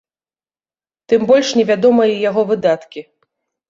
Тым больш невядомыя яго выдаткі.